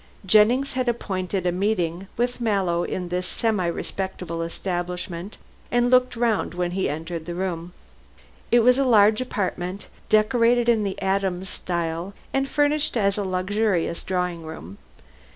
Jennings had appointed a meeting with Mallow in this semi respectable establishment, and looked round when he entered the room. It was a large apartment, decorated in the Adams style and furnished as a luxurious drawing room.